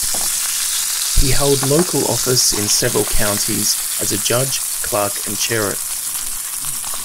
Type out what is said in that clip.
He held local office in several counties as a judge, clerk, and sheriff.